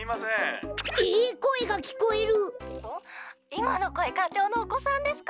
いまのこえかちょうのおこさんですか？」。